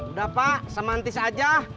udah pak semantis aja